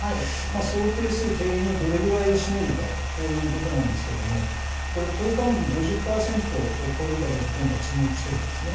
想定する定員のどれぐらいを占めるかということなんですけども、これ、党幹部も５０％を超えるかどうか、今回、注目してるんですね。